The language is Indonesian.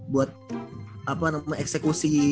buat apa namanya eksekusi